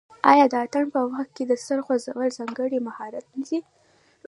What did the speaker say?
آیا د اتن په وخت کې د سر خوځول ځانګړی مهارت نه دی؟